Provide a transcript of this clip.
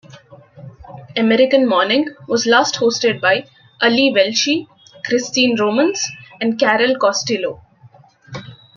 "American Morning" was last hosted by Ali Velshi, Christine Romans and Carol Costello.